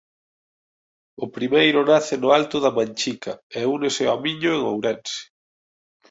O primeiro nace no Alto da Manchica e únese ao Miño en Ourense.